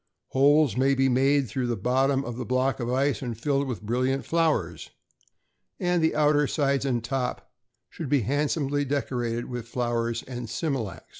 Holes may be made through the bottom of the block of ice, and filled with brilliant flowers; and the outer sides and top should be handsomely decorated with flowers and smilax.